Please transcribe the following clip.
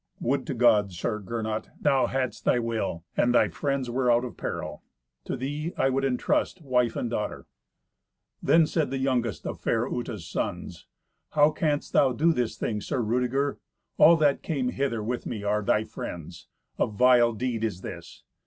"Would to God, Sir Gernot, thou hadst thy will, and thy friends were out of peril! To thee I would entrust wife and daughter." Then said the youngest of fair Uta's sons, "How canst thou do this thing, Sir Rudeger? All that came hither with me are thy friends. A vile deed is this.